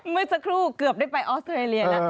เมื่อสักครู่เกือบได้ไปออสเตรเลียแล้ว